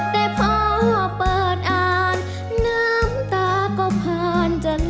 แต่พอเปิดอ่านน้ำตาก็ผ่านจัน